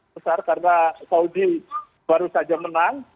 besar karena saudi baru saja menang